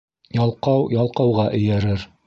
Ялҡау ялҡауға эйәрер.